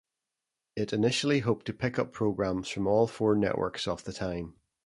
It initially hoped to pick up programs from all four networks of the time.